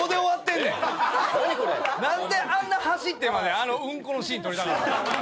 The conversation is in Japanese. なんであんな走ってまであのウンコのシーン撮りたかったん。